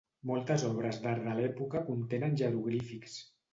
Moltes obres d'art de l'època contenen jeroglífics.